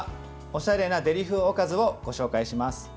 おしゃれなデリ風おかずをご紹介します。